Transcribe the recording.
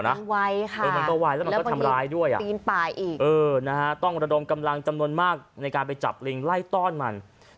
มันก็ไหวค่ะและมันก็ทำร้ายด้วยอะต้องระดมกำลังจำนวนมากในการไปจับลิงไล่ต้อนมัน